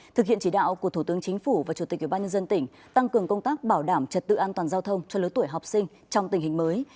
thực hiện chỉ đạo của thủ tướng chính phủ và chủ tịch ủy ban nhân dân tỉnh tăng cường công tác bảo đảm trật tự an toàn giao thông cho lứa tuổi học sinh trong tình hình mới